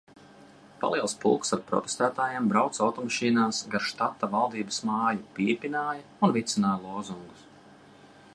Paliels pulks ar protestētājiem brauca automašīnās gar štata valdības māju, pīpināja un vicināja lozungus.